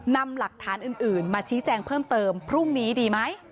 นำหลักฐานอื่นมาชี้แจงเพิ่มเติมพรุ่งนี้ดีไหม